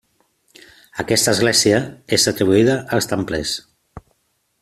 Aquesta església és atribuïda als templers.